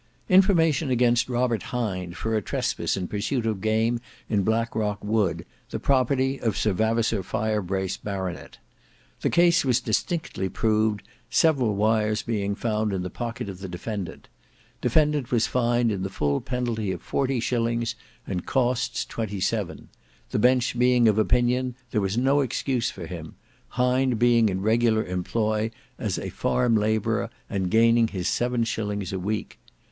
"Information against Robert Hind for a trespass in pursuit of game in Blackrock Wood, the property of Sir Vavasour Firebrace, Bart. The case was distinctly proved; several wires being found in the pocket of the defendant. Defendant was fined in the full penalty of forty shillings and costs twenty seven; the Bench being of opinion there was no excuse for him, Hind being in regular employ as a farm labourer and gaining his seven shillings a week.